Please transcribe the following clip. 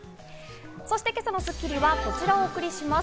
そして今朝の『スッキリ』はこちらをお送りします。